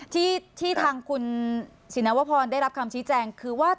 ที่ทางคุณสินวพรได้รับคำชี้แจงคือว่า